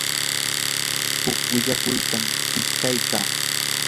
huk willakuytam qillqaykaa.